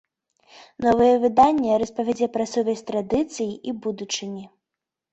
Новае выданне распавядзе пра сувязь традыцыі і будучыні.